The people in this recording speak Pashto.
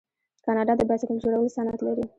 کاناډا د بایسکل جوړولو صنعت لري.